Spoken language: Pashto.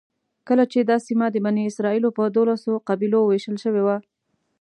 کله چې دا سیمه د بني اسرایلو په دولسو قبیلو وېشل شوې وه.